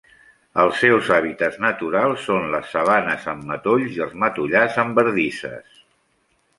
Els seus hàbitats naturals són les sabanes amb matolls i els matollars amb bardisses.